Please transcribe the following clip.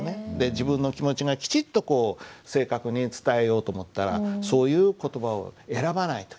自分の気持ちがきちっとこう正確に伝えようと思ったらそういう言葉を選ばないといけない。